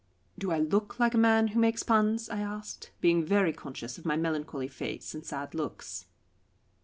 "Do I look like a man who makes puns?" I asked, being very conscious of my melancholy face and sad looks.